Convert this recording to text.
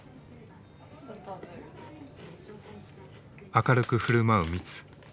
明るく振る舞うミツ。